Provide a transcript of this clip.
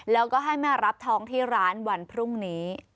แล้วก็ให้แม่รับทองที่ร้านวันพรุ่งนี้